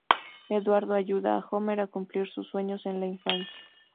Eduardo ayuda a Homer a cumplir sus sueños de la infancia.